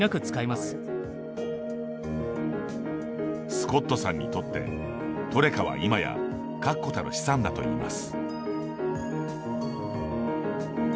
スコットさんにとってトレカは今や確固たる資産だといいます。